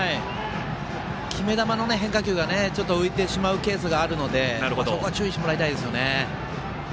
決め球の変化球が浮いてしまうケースがあるのでそこは注意してもらいたいですね。